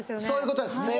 そういうことです